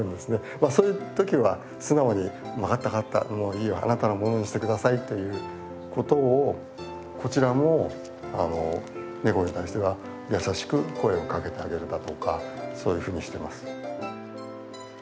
まあそういう時は素直に分かった分かったもういいよあなたのものにしてくださいということをこちらもあのネコに対しては優しく声をかけてあげるだとかそういうふうにしてます。